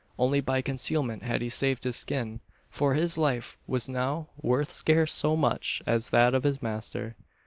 Only by concealment had he saved his skin: for his life was now worth scarce so much as that of his master.